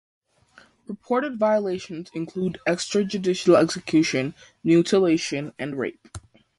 Reported violations include extrajudicial execution, mutilation, and rape.